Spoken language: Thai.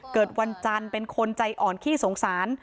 เกิดวันจันทร์เป็นคนใจอ่อนขี้สงสาร